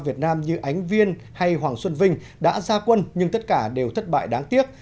việt nam như ánh viên hay hoàng xuân vinh đã ra quân nhưng tất cả đều thất bại đáng tiếc